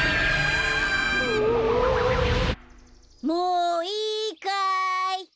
もういいかい。